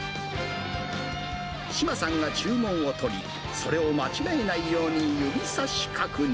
志麻さんが注文を取り、それを間違えないように指さし確認。